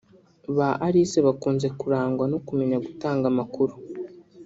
Ba Alice bakunze kurangwa no kumenya gutanga amakuru